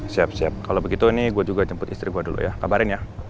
siap siap kalau begitu ini gue juga jemput istri gue dulu ya kabarin ya